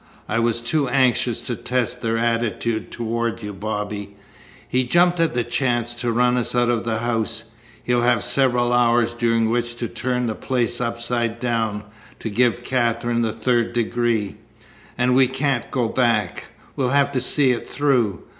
I was too anxious to test their attitude toward you, Bobby. He jumped at the chance to run us out of the house. He'll have several hours during which to turn the place upside down, to give Katherine the third degree. And we can't go back. We'll have to see it through."